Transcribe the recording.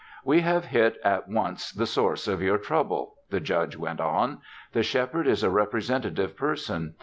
"We have hit at once the source of your trouble," the Judge went on. "The Shepherd is a representative person.